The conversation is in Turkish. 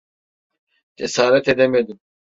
Cesaret edemedim.